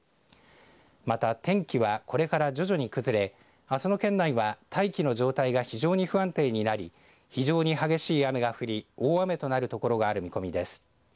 また、天気はこれから徐々に崩れあすの県内はタイ大気の状態が非常に不安定になり非常に激しい雨が降り大雨となるところがある見込みです。